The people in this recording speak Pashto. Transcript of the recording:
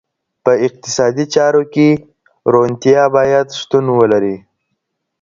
په اقتصادي چارو کي روڼتیا باید شتون ولري.